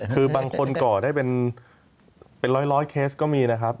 คือบางคนก่อได้เป็นร้อยเคสก็มีนะครับ